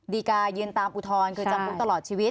ดีกายืนตามอุทธรณ์คือจำคุกตลอดชีวิต